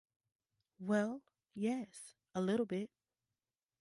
Well, yes, a little bit.